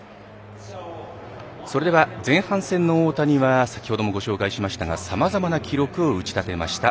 それでは、前半戦の大谷は先ほどもご紹介しましたがさまざまな記録を打ち立てました。